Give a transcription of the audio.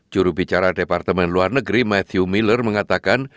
jurubicara departemen luar negeri matthew miller mengatakan